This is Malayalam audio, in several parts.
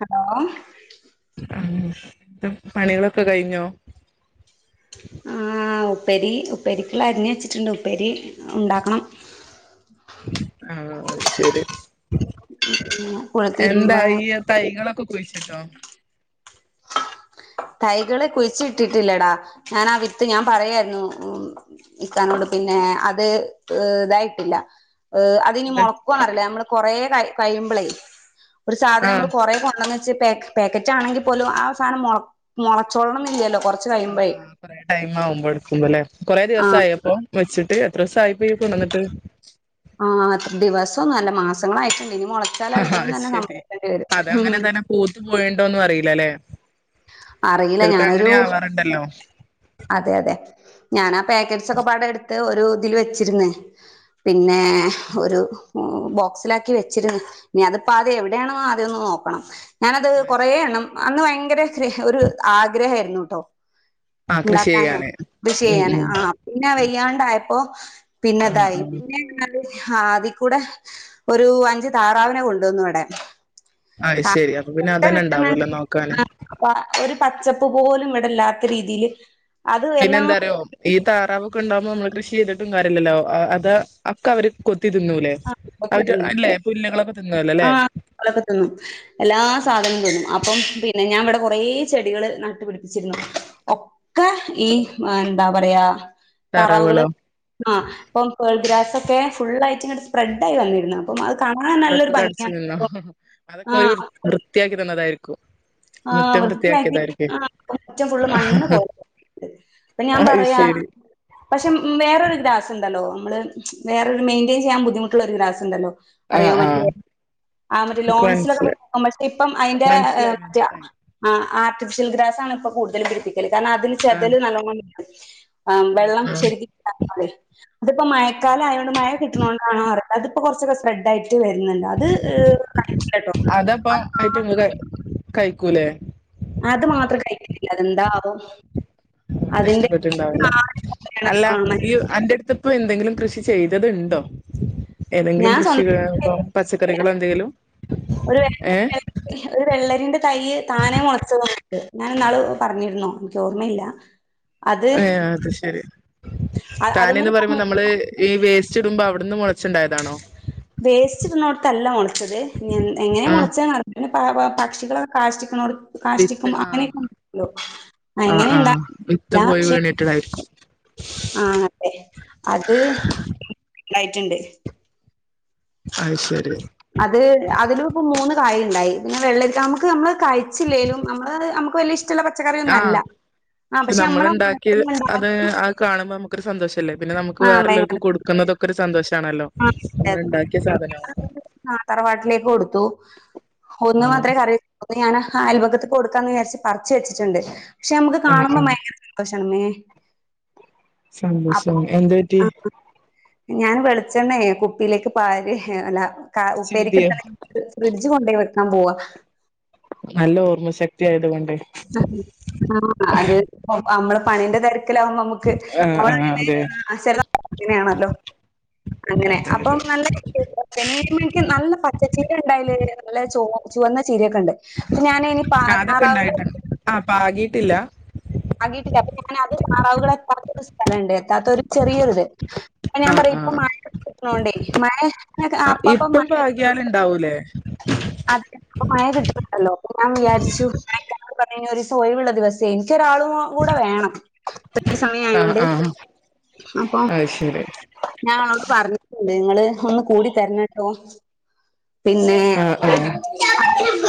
ഹലോ ആഹ് [unintelligible] പണികളൊക്കെ കഴിഞ്ഞോ? ആഹ് ഉപ്പേരി ഉപ്പേരിക്ക്ള്ളെ അരിഞ്ഞ് വെച്ചിട്ട്ണ്ട് ഉപ്പേരി ഉണ്ടാക്കണം. ആഹ് അയ് ശരി കുളത്തിരുമ്പ എന്തായി അത് തൈകളൊക്കെ കുഴിച്ചിട്ടോ? തൈകള് കുഴിച്ചിട്ടിട്ടില്ലെടാ ഞാനാ വിത്ത് ഞാൻ പറയാരുന്നു ഉം ഇക്കാനോട് പിന്നെ അത് ഏഹ് ഇതായിട്ടില്ലാ ഏഹ് അത് അതിനി എന്ത് മൊളക്കോന്ന് അറിയില്ലാ നമ്മള് കൊറെ കയി കയിമ്പളേ ഒരു സാധനം ആഹ് നമ്മള് കൊറെ കൊണ്ടെന്നെച്ച് പേ പേക്കറ്റാണെങ്കി പോലും ആ സാനം മൊളക് മൊളച്ചോളണന്നില്ലല്ലോ കൊറ ആഹ് ആഹ് കൊറെ ടൈം ആവുമ്പോ എടുക്കുമ്പോല്ലേ കൊറെ ആ ദിവസയോ അപ്പം? വെച്ചിട്ട് എത്ര ദിവസായിപ്പ ഇയ്യ് കൊണ്ടന്നിട്ട്? ആഹ് അത്ര ദിവസവൊന്നും അല്ല മാസങ്ങളായിറ്റ്ണ്ട് ഇനി മൊളച്ചാല് ആഹ് അത്ഭുതം അത് തന്നെ ശരി സംഭവിക്കേണ്ടി വരും അതങ്ങനെ ഉം തന്നെ പൂത്ത് പോയിണ്ടോന്നും അറിയില്ലാല്ലെ അറിയില്ല ചെലപ്പൊ അങ്ങനെ ഞാനൊരു ആവാറ്ണ്ടല്ലോ അതെ അതെ ഞാനാ പാക്കറ്റ്സൊക്കെപ്പാടെ എടുത്ത് ഒരു ഇതില് വെച്ചിരുന്നേ പിന്നെ ഏഹ് ഒരു ഓഹ് ബോക്സിലാക്കി വെച്ചിരുന്ന് ഇനി അതിപ്പ ആദ്യം എവിടെയാണ്ന്ന് ആദ്യം ഒന്ന് നോക്കണം ഞാനത് അത് കൊറെ ശരി എണ്ണം അന്ന് ഭയങ്കര ഗ്രഹ ഒരു ആഗ്രഹായിരുന്നുട്ടോ ആഹ് കൃഷി ഇണ്ടാക്കാനേ ചെയ്യാന് കൃഷി ഉം ചെയ്യാന് ഉം ആഹ് പിന്നെ വെയ്യാണ്ടായപ്പോ പിന്നെ ആഹ് ഇതായി ആഹ് പിന്നെ ആഹ് അതി കൂടെ ഒരു അഞ്ച് താറാവിനെ കൊണ്ടുവന്നു ഇവിടെ അയ് താ- ശരി അപ്പൊ പിന്നെ അതന്നെ ഇണ്ടാവല്ലോ നോക്കാന് അപ്പൊ ഒരു പച്ചപ്പ് പോലും വിടെല്ലാത്ത രീതിയില് അത് പിന്നെ എല്ലാ എന്താറിയോ ഈ താറാവൊക്കെ ഇണ്ടാവുമ്പോ നമ്മള് കൃഷി ചെയ്തിട്ടും കാര്യല്ലല്ലോ ആഹ് അതാ ആക്കെ അവര് കൊത്തി തിന്നൂല്ലേ ആ ഒക്കെ അവര് അല്ലേ പുല്ലുകളൊക്കെ തിന്നൂലേല്ലേ ഒലൊക്കെ തിന്നും എല്ലാ സാധനോം തിന്നും അപ്പം പിന്നെ ഞാൻ ഇവിടെ കൊറേ ചെടികള് നട്ടു പിടിപ്പിച്ചിരുന്നു ഒക്കെ ഈ എന്താ പറയാ താറാവുകള് താറാവുകളോ ആഹ് അപ്പം പേൾഗ്രാസൊക്കെ ഫുള്ളായിറ്റ്ങ്ങ് സ്പ്രെഡ് ആയി വന്നിരുന്നു അപ്പം അത് കാണാൻ അതൊക്കെ നല്ലൊരു കടിച്ചു ഭംഗിയാണ് തിന്നോ അതൊക്കെ ഓര് ആഹ് വൃത്തിയാക്കി തന്നതായിരി ആഹ് വൃത്തിയാക്കി ആഹ് മുറ്റം ഫുള്ള് മണ്ണ് പോലെ അപ്പം ഞാൻ അത് പറയാ ശരി പക്ഷെ ഉം വേറൊരു ഗ്രാസ് ഇണ്ടല്ലോ നമ്മള് വേറൊരു മെയിന്റെയിൻ ചെയ്യാൻ ബുദ്ധിമുട്ടുള്ള ഒരു ഗ്രാസ് ഇണ്ടല്ലോ? അറിയോ ആഹ് മറ്റേ ആഹ് ആഹ് മറ്റേ എനിക്ക് ലോൺസിലൊക്കെ മനസ്സിലായി [unintelligible] പക്ഷെ ഇപ്പം അയിന്റെ ഏഹ് മനസ്സിലായി മനസ്സിലായി ആഹ് ആർട്ടിഫിഷ്യൽ ഗ്രാസ്സാണ് ഇപ്പം കൂടുതലും പിടിപ്പിക്കല് കാരണം അതില് ആഹ് ചെതല് നല്ലോണം [unintelligible] ആഹ് വെള്ളം ശരിക്കും [unintelligible] ഇതിപ്പ മഴക്കാലം ആയോണ്ട് മഴ കിട്ടണോണ്ടാണോ അറി അതിപ്പോ കൊറച്ചൊക്കെ സ്പ്രെഡ് ആയിറ്റ് വെരുന്നുണ്ട് അത് [unintelligible] കേട്ടോ അതപ്പ ആയിട്ടങ്ങള് കഴിക്കൂലേ അത് മാത്രം കഴിക്കത്തില്ല അതെന്താവോ അതിന്റെ ഇഷ്ടപ്പെട്ട്ണ്ടാവില്ല അല്ല ഈഹ് അന്റെടുത്ത് ഇപ്പോ എന്തെങ്കിലും കൃഷി ചെയ്തത്ണ്ടോ ഏതെങ്കിലും ഞാൻ കൃഷികളോ സ്വന്തമായിട്ട് ഇപ്പം പച്ചക്കറികളോ എന്തെലും ഒരു ഏഹ് ഒരു വെള്ളരിന്റെ തൈ താനെ മോളച്ച് വന്നിക്ക് ഞാൻന്നാള് പറഞ്ഞിരുന്നോ എനിക്ക് ഓർമ്മയില്ല [inaudible] ഏഹ് അത് ശെരി അതിമ്മല് താനന്ന് ഇപ്പോ പറയുമ്പോ നമ്മള് ഈ വേസ്റ്റിടുമ്പോ അവടുന്ന് മോളച്ചുണ്ടായതാണോ വേസ്റ്റിടുന്നോടത്തല്ല മോളച്ചത് ഇനി എങ്ങനെയാ ആ മോളച്ചത് എന്നറില്ല പക്ഷികള് കാഷ്ടിയ്ക്കുന്നോടത്ത് വിത്ത് കാഷ്ടിയ്ക്കും ആ അങ്ങനെയൊക്കെ ഉണ്ടല്ലോ ആ ആ അങ്ങനെണ്ടാ വിത്ത് ല്ല പക്ഷെ [unintelligible] ആഹ് അതെ അത് ലൈറ്റ്ണ്ട്. അത് ശെരി അത് അതിലും ഇപ്പം മൂന്ന് കായുണ്ടായി പിന്നെ വെള്ളരിക്കാ നമുക്ക് നമ്മള് കയിച്ചില്ലേലും നമ്മള് നമുക്ക് വല്യ ഇഷ്ടള്ള പച്ചക്കറിയൊന്നും ആ അല്ല ആ പക്ഷെ നമ്മളെ നമ്മള്ണ്ടാക്കിയത് അത് ആഹ് കാണുമ്പോ നമുക്കൊരു സന്തോഷല്ലേ പിന്നെ നമുക്ക് ആ ഭയങ്കര വേറെല്ലോർക്ക് കൊടു ക്കുന്നതൊക്കെരു സന്തോഷാണല്ലോ നമ്മള് ഇണ്ടാക്കിയ സാധനം ആഹ് തറവാട്ടിലേക്ക് കൊടുത്തു ഒന്ന് ആ മാത്രേ കറി അപ്പം ഞാന് ആഹ് അയൽ പക്കത്ത് കൊടുക്കാന്ന് വിചാരിച്ച് പറിച്ച് വച്ചിട്ടുണ്ട് പക്ഷെ നമുക്ക് ആ കാണുമ്പോ ആ ഭയങ്കര [unintelligible] അപ്പൊ സന്തോഷം എന്തു പറ്റി ഞാൻ വെളിച്ചെണ്ണേ കുപ്പിലേക്ക് പാര് അല്ല കാ ചിന്തിയോ ഉപ്പേരിക്ക്ടുക്കണേന് ഫ്രിഡ്ജ് കൊണ്ടേ വെക്കാൻ പോവാ നല്ല ഓർമ്മ ശക്തിയായത് കൊണ്ടേ [unintelligible] ആഹ് അത് നമ്മള് പണിന്റെ തെരക്കിലാമ്പം നമുക്ക് ആ അവ ആ അതെ [unintelligible] അങ്ങനെയാണല്ലോ അങ്ങനെ അതെ അപ്പം അതെ നല്ലേ പെനീമണക്ക് നല്ല പച്ച ചീര ഇണ്ടായല് നല്ല ചുവ ചുവന്ന ചീരക്കെ ഇണ്ട് അപ്പം ഞാൻ ഇനി പാ താറാവുകള് ആഹ് പാകിട്ടില്ല. പാകീട്ടില്ല അപ്പ ഞാനത് താറാവുകളെ [unintelligible] സ്ഥലം ണ്ട് എത്താത്തൊരു ചെറിയൊരു ഇത് അപ്പ ആ ഞാൻ പറയും ആ ഇപ്പ മഴണോണ്ടേ മഴ ആ അപ്പപ്പ ഇപ്പം മഴ [inaudible] [unintelligible] പാകിയാലുണ്ടാവൂലേ അപ്പോ മഴ കിട്ടണ്ടല്ലോ അപ്പോ ഞാൻ വിചാരിച്ചു ഞാ [inaudible] പറഞ്ഞ ഒരു ദിവസം ഒഴിവുള്ള ദിവസേ എനിക്ക് ഒരാളും കൂടെ വേണം ഇത്രയും സമയയൊണ്ട് അപ്പോം അയ് ശെരി ഞാൻ അവർക്ക് പറഞ്ഞിട്ടുണ്ട് നിങ്ങള് ഒന്ന് കൂടി തരണം ട്ടോ പിന്നെ ആ ആ ഉം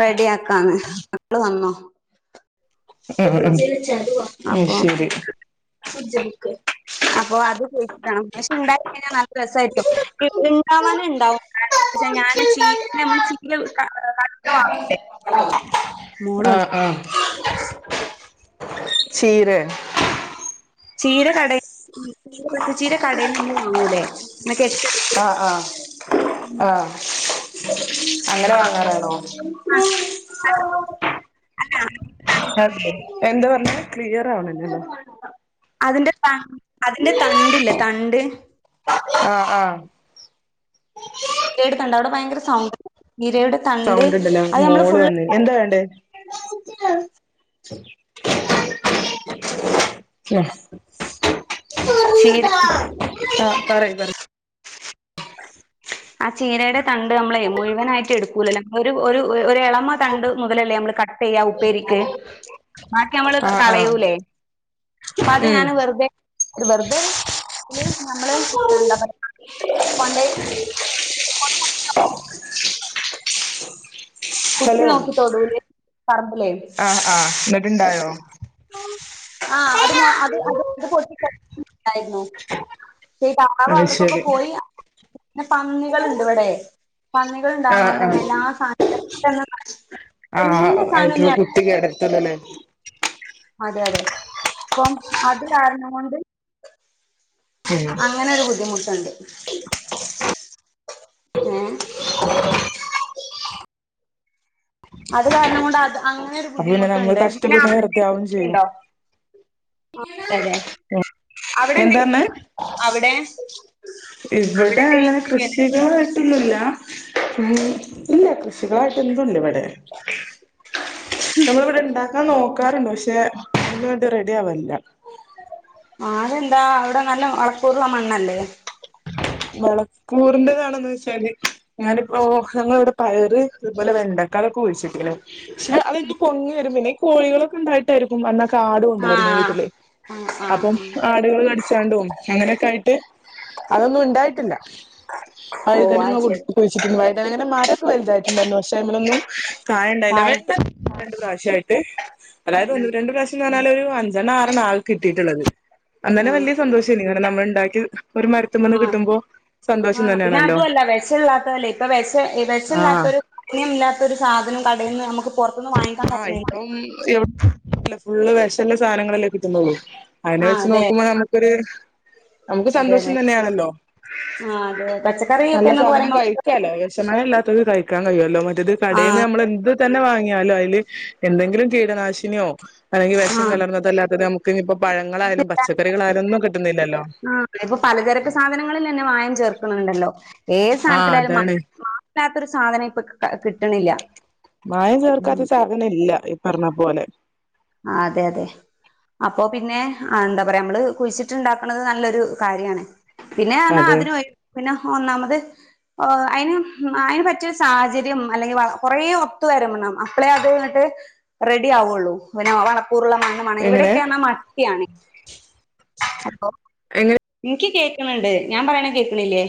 റെഡി ആക്കാന്ന് ആള് വന്നോ ഉം ഉം അപ്പൊ ശെരി അപ്പോ അത് കുയിച്ചിടണം പക്ഷെ ഇണ്ടായി കഴിഞ്ഞാൽ നല്ല രസാരിക്കും ഇണ്ടാവാനെ ഇണ്ടാവും ഞാൻ ചീരന്നെ നമ്മള് ചീര കടേന്നു വാങ്ങൂലേ മോള് ആഹ് വന്നു. ആഹ് ചീരെ ചീര കടെ ഇങ്ങനെ കെട്ട് കെട്ടി ആഹ് ആഹ് ആഹ് അങ്ങനെ ആ വാങ്ങാറാണോ ആ, അത് അല്ല തണ്ടില്ലേ എന്താ പറഞ്ഞെ ക്ലിയർ ആവണില്ലല്ലോ അതിന്റെ ത അതിന്റെ തണ്ടില്ലേ തണ്ട് ആഹ് ആഹ് ഇലയുടെ തണ്ട് അവിടെ ഭയങ്കര സൗണ്ട് [unintelligible] സൗണ്ട് ഇണ്ടല്ലോ അത് നമ്മള് മോള് ഫുള്ള് വന്ന് എന്താ വേണ്ടേ [unintelligible] ചീര ആഹ് പറയ് പറയ് ആഹ് ചീരയുടെ തണ്ട് നമ്മളെയ് മുഴുവനായിട്ട് എടുക്കൂലല്ലോ ഒര് ഒരു ഒരെളം മ്മ തണ്ട് മുതലല്ലേ നമ്മള് കട്ട് ചെയ്യാ ഉപ്പേരിക്ക് ബാക്കി നമ്മള് ആ ആ കളയൂലേ അപ്പ അത് ഉം ഞാൻ വെറുതെ വെറുതെ നമ്മള് എന്താ പറ പണ്ടേ [unintelligible] കുത്തി ഹലോ നോക്കി തൊടൂല് പറമ്പിലേ ആഹ് ആഹ് എന്നിട്ട് ഇണ്ടായോ ആഹ് അത് അത് അത് അത് പൊട്ടി കിടക്കുന്നാണ്ടായിരുന്നു [unintelligible] അത് അവർക്കൊക്കെ ശരി പോയി പിന്നെ പന്നികളിണ്ട് ഇവിടെ പന്നി ആ ന്നികളിണ്ടാവണോണ്ട് ആ ന്നെ എല്ലാ സാധ [unintelligible] ആ എല്ലാ സാധന [unintelligible] അതെ അതെ ഇപ്പം അത് കാരണം കൊണ്ട് ഉം അങ്ങനൊരു ബുദ്ധിമുട്ടുണ്ട് ഏഹ് അത് കാരണം കൊണ്ട് അത് അങ്ങനെ ഒരു അപ്പൊ പിന്നെ നമ്മള് ബുദ്ധിമുട്ടുണ്ട് പിന്നെ കഷ്ടപ്പെട്ട് [unintelligible] വെറുതെയാവും ചെയ്യും ണ്ടോ ആഹ് അതെ ഉം അവിടെ എന്താ എന്താന്ന് [unintelligible] അവിടെ അവിടെ ഇവിടെ എന്തെങ്കിലും അങ്ങനെ കൃഷി ചെയ്തിട്ടുണ്ടോ കൃഷികളായിട്ടൊന്നും ല്ല ഉം ഇല്ല കൃഷികളായിട്ട് ഒന്നും ഇല്ല ഇവിടെ നമ്മളിവിടെ ഇണ്ടാക്കാൻ നോക്കാറുണ്ട് പക്ഷെ അതിന് വേണ്ടി റെഡി ആവില്ല ആരെന്താ അവിടെ നല്ല വളക്കൂറുള്ള മണ്ണല്ലേ വളക്കൂറിന്റെതാണന്ന് വെച്ചാല് ഞാനിപ്പോ ഞങ്ങള് ഇവിടെ പയറ് അതുപോലെ വെണ്ടക്കാലളൊക്കെ കുഴിച്ചിട്ടീന് പക്ഷെ അതെങ്ങ് പൊങ്ങിവരും പിന്നെ കോഴികളൊക്കെ ഉണ്ടായിട്ടായിരിക്കും എന്ന കാടും ആ ഉണ്ടായിരുന്നു വീട്ടില് ആ ആ അപ്പം ആ ആടുകള് കടിച്ചാണ്ടും അങ്ങനെയൊക്കെ ആയിട്ട് അതൊന്നും ഇതായിട്ടില്ല [inaudible] വഴുതനങ്ങ ശരി കുഴിച്ചിട്ടുണ്ട് വഴുതനങ്ങൻ്റ മരൊക്കെ വലുതായിട്ടുണ്ടായിരുന്നു പക്ഷേ അതിനൊന്നും കായ ഇണ്ടായില്ല കായ് വെട്ട് രണ്ട് പ്രാവശ്യായിട്ട് അതായത് ഒന്ന് രണ്ട് പ്രാവശ്യ ക്കന്ന്പറഞ്ഞാലൊരു അഞ്ചെണ്ണം ആറെണ്ണം ആകെ കിട്ടിയിട്ടുള്ളത് ആ അന്നന്നെ വലിയ സന്തോഷം ന്നെ നമ്മൾ ഇണ്ടാക്കിയ ഒരു ആ മരത്തുമ്മന്ന് കിട്ട് ആ ആഹ് പിന്നെ അതും അല്ല വെഷ ഇല്ലാത്തല്ലേ ഇപ്പൊ വെഷ വെഷ ആഹ് ഇല്ലാത്തൊരു മായം ഇല്ലാത്തൊരു സാധനം കടേന്ന് നമുക്ക് പുറത്തുന്ന് വാങ്ങിക്ക ആഹ് ഇപ്പം ഇവിടെ ഫുള്ള് വെഷള്ള സാധനങ്ങളല്ലേ കിട്ടുന്നുള്ളൂ അതിനെ ആഹ് വെച്ച് അതെ നോക്കുമ്പോ നമുക്കൊരു നമുക്ക് അതെ സന്തോഷം അതെ തന്നെയാണല്ലോ ആഹ് അതെ പച്ചക്കറിയൊക്കെ നല്ല എന്നൊക്കെ സാധനം പറയുമ്പോ കഴിക്കാല്ലോ വെഷമയ അല്ലാത്തത് കഴിക്കാൻ കഴിയ്വല്ലോ മറ്റേ റ്റത് കടേന്ന് ആഹ് നമ്മള് എന്ത് തന്നെ വാങ്ങിയാലും അയില് എന്തെങ്കിലും കീടനാശിനിയോ അല്ലെങ്കി വെഷം ആഹ് കലർന്നതല്ലാത്തത് നമുക്ക് ഇനിയിപ്പോ പഴങ്ങളായാലും പച്ചക്കറികളായാലും ഒന്നും കിട്ടുന്നില്ലല്ലോ ആഹ് ഇപ്പോ പലചരക്ക് സാധനങ്ങളിലന്നെ മായം ചേർക്കുന്നുണ്ടല്ലോ ഏത് ആഹ് സാനത്തിലായാലും മാ അതാണ് മാ ഇല്ലാത്തൊരു സാധനം ഇപ്പൊ കാ കാ കിട്ടണില്ല മായം ചേർക്കാത്ത ഉം സാധനം ഇല്ല ഈ പറഞ്ഞ പോലെ ആഹ് അതെ അതെ അപ്പൊ പിന്നെ ആഹ് എന്താ പറയാ നമ്മള് കുഴിച്ചിട്ടിണ്ടാക്കണത് നല്ലൊരു കാര്യാണ് പിന്നെ എന്നാ അതെ അതിനും ആയി പിന്നെ ഒന്നാമത് ഓഹ് അയ്ന് ഉം അയിന് പറ്റിയൊരു സാഹചര്യം അല്ലെങ്കി വളം കൊറേ ഒത്തു വരണം അപ്പളെ അത് ഇങ്ങട്ട് റെഡിയാവൊള്ളൂ പിന്നെ വളക്കൂറുള്ള മണ്ണ് വേണം എങ്ങനെ ഇവിടെയൊക്കെയാണെ മട്ട്യാണ് എപ്പോ എങ്ങനെ ഇനിക്ക് കേക്ക്ണുണ്ട് ഞാൻ പറയണെ കേക്കണില്ല്യേ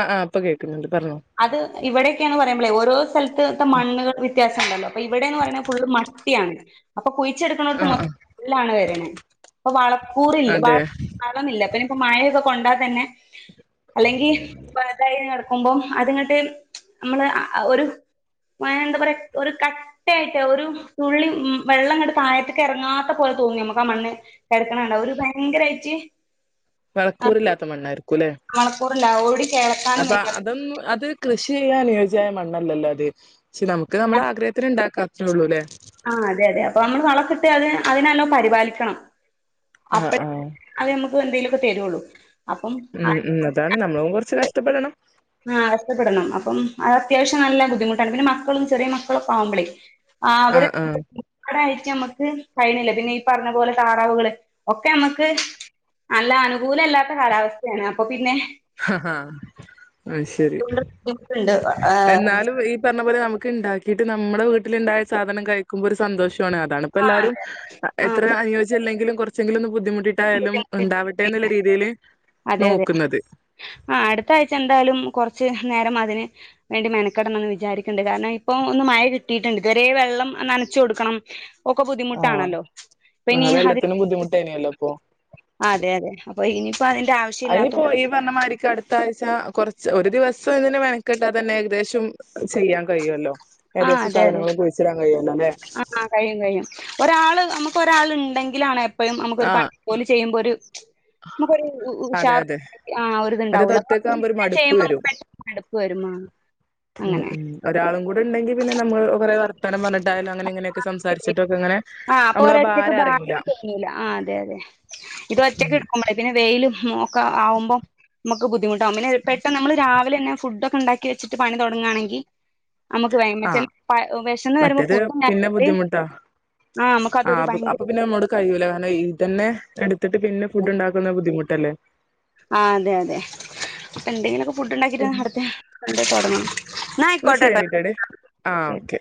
ആഹ് ആഹ് ഇപ്പ കേക്ക്ന്നുണ്ട് പറഞ്ഞോ അത് ഇവിടെയൊക്കെയാന്ന് പറയുമ്പോളേ ഓരോ സ്ഥലത്തത്തെ മണ്ണുകൾ വി വിത്യാസം ഉണ്ടല്ലോ അപ്പൊ ഇവിടേന്ന് പറയണെ ഫുള്ള് മട്ടിയാണ് അപ്പൊ കുയിച്ചെടുക്കണോടുത്ത് മൊ ആഹ് ആഹ് ലാണ് വരണെ അപ്പൊ വളക്കൂറില്ല വ അതെ വളന്നില്ല പിന്നെ ഇപ്പം മയയൊക്കെ കൊണ്ടാ തന്നെ അല്ലെങ്കി [unintelligible] ആക്കുമ്പോം അതിങ്ങട്ട് നമ്മള് അഹ് ഒരു എന്താ പറയാ ഒരു ക കട്ടയായിട്ട് ഒരു തുള്ളി ഉം വെള്ളം ഇങ്ങട് താഴത്തേക്ക് എറങ്ങാത്ത പോലെ തോന്നും ഞമ്മക്കാ മണ്ണ് കെടക്കണ കണ്ടാ ഒര് ഭയങ്കരായിട്ട് വളക്കൂറില്ലാത്ത മണ്ണാരിക്കൂല്ലേ വളക്കൂറില്ല ഓടി കേളക്കാനും പറ്റില്ല ഉം അത് കൃഷി ചെയ്യാൻ അനുയോജ്യായ മണ്ണല്ലല്ലോ അത് പക്ഷെ നമുക്ക് നമ്മളെ ആഗ്രഹത്തിന് ഇണ്ടാക്കാം അത്രെള്ളൂ ല്ലേ ആഹ് അതെ അതെ അപ്പൊ നമ്മൾ വളൊക്കിട്ട് അതിനെ അതിനെ നല്ലോം പരിപാലിക്കണം ആഹ് അപ്പഴേ ആഹ് അത് ഞമ്മക്ക് എന്തേലൊക്കെ തര്വൊള്ളൂ ഉം ഉം അതാണ് നമ്മളും കൊറച്ച് കഷ്ടപ്പെടണം ആഹ് കഷ്ടപ്പെടണം അപ്പം അത് അത്യാവശ്യം നല്ല ബുദ്ധിമുട്ടാണ് പിന്നെ മക്കളും ചെറിയ മക്കളൊക്കെ ആവുമ്പളേ ആഹ് അവര് ആടായിട്ട് ഞമ്മക്ക് കഴിയണില്ല പിന്നെ ഈ പറഞ്ഞ പോലെ താറാവുകള് ഒക്കെ ഞമ്മക്ക് അല്ല അനുകൂലല്ലാത്ത കാലാവസ്ഥയാണ് അപ്പൊ പിന്നെ അത് ശെരി അതുകൊണ്ട് ബുദ്ധിമുട്ടുണ്ട് ആഹ് എന്നാലും ഈ പറഞ്ഞ പോലെ നമ്മക്കിണ്ടാക്ക്‌ ക്കീട്ട് നമ്മടെ വീട്ടില്ണ്ടായ സാധനം കഴിക്കുമ്പോ ഒരു സന്തോഷാണ് അതാണ് ഇപ്പ ആഹ് എല്ലാരും അതെ അതെ എത്ര ആഹ് അനുയോജ്യല്ലെങ്കിലും കൊറച്ചെങ്കിലും ഒന്ന് ബുദ്ധിമുട്ടിട്ടായാലും ബുദ്ധിമുട്ടുണ്ട് ഉണ്ടാവട്ടെ ട്ടെന്ന്ള്ള രീതിയില് അതെ അതെ നോക്കുന്നത് ആഹ് അടുത്താഴ്ച എന്താലും കൊറച്ച് നേരം അതിന് വേണ്ടി മെനക്കെടണംന്ന് വിചാരിക്ക്ൺണ്ട് കാരണം ഇപ്പൊ ഒന്ന് മഴ കിട്ടിട്ടുണ്ട് ഇതുവരേ വെള്ളം അഹ് നനച്ചു കൊടുക്കണം ഒക്കെ ബുദ്ധിമുട്ടാണല്ലോ ഇപ്പൊ ഇനി അതി ട്ടേന്യല്ലോ ഇപ്പൊ അതെ അതെ അപ്പൊ ഇനിയിപ്പൊ അതിന്റാ അയ്നിപ്പൊ ഇയ്യ് പറഞ്ഞ മാതിരി കെട എത്താഴ്ച കൊറച്ച് ഒരു ദിവസം ഇതിന് മെനക്കെട്ടാ തന്നെ ഏകദേശം ചെയ്യാൻ കഴിയൊല്ലോ. ആ ഏകദേശം അതെ അതെ സാധനങ്ങളൊകുഴിച്ചിടാൻ കഴിയലോല്ലെ. ആ ആ കഴിയും കഴിയും. ഒരാള് നമുക്ക് ഒരാൾ ഇണ്ടെങ്കിലാണ് എപ്പഴും നമുക്കൊരു ആഹ് പണി ഓല് ചെയ്യുമ്പൊരു നമുക്കൊരു അതെ ഉഷാറ്. അതെ ആ മറ്റേത് ഒരിതുണ്ടാവുള്ളു. ഒറ്റക്കാവുമ്പോ ഒരു മടുപ്പ് ചെയുമ്പോ വരും പെട്ടെന്ന് മടുപ്പ് വെരും. ഉം അങ്ങനെ ഉം ഒരാളും കൂടെ ഇണ്ടെങ്കി പിന്നെ നമ്മള് കൊറേ വർത്താനം പറ്ഞ്ഞിട്ടായാലും അങ്ങനെ ഇങ്ങനെക്കെ സംസാരിച്ചിട്ടൊക്കെങ്ങനെ നമ്മള് ആ ഭാരം അറിയൂല്ല. തോന്നൂല്ല. ആ അതെ അതെ. ഇത് ഒറ്റക്ക് ഉം എടുക്കുമ്പഴേ പിന്നെ വെയിലും ഒക്കെ ആവുമ്പം. നമുക്ക് ബുദ്ധിമുട്ടാവും. പിന്നെ പെട്ടന്ന് നമ്മള് രാവിലെന്നെ ഫുഡൊക്കെ ഉണ്ടാക്കി വച്ചിട്ട് പണി തൊടങ്ങാണെങ്കി ആഹ് വിശന്ന് വരുമ്പോ മറ്റേത് ഫുഡ് പിന്നെ ഉണ്ടാക്കിട്ട് ബുദ്ധിമുട്ട ആഹ് നമുക്ക് ആ അതൊരു അ അപ്പൊ ഭയങ്കര പിന്നെ അമ്മോടു കഴൂല്ല. കാരണം ഇതെന്നെ എടുത്തിട്ട് പിന്നെ ഫുഡ് ഉണ്ടാക്കുന്ന ബുദ്ധിമുട്ടെല്ലെ. ആ അതെ അതെ. അപ്പ എന്തെങ്കിലൊക്കെ ഫുഡ് ഉണ്ടാക്കിട്ട് എന്നാ അടുത്തെണ്ട് തൊടങ്ങണം. ഇന്നാ ആയിക്കോട്ടെട്ടൊ. ശരിട്ടടി ആഹ് ശെരി ഓക്കെ